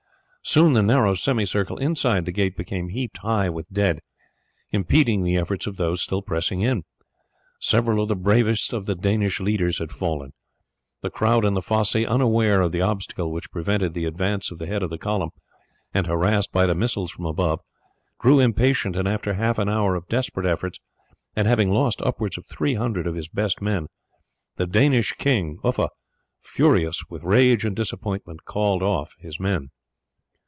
Soon the narrow semicircle inside the gate became heaped high with dead, impeding the efforts of those still pressing in. Several of the bravest of the Danish leaders had fallen. The crowd in the fosse, unaware of the obstacle which prevented the advance of the head of the column and harassed by the missiles from above, grew impatient, and after half an hour of desperate efforts, and having lost upwards of three hundred of his best men, the Danish king, furious with rage and disappointment, called off his men.